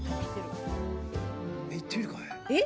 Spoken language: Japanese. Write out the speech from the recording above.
いってみるかい？